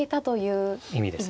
意味ですね。